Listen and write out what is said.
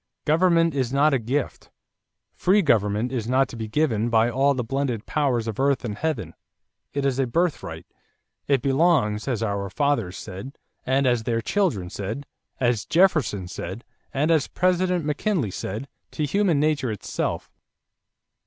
Government is not a gift. Free government is not to be given by all the blended powers of earth and heaven. It is a birthright. It belongs, as our fathers said, and as their children said, as Jefferson said, and as President McKinley said, to human nature itself."